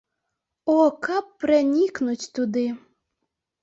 О, каб пранікнуць туды!